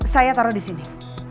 saya taruh di sini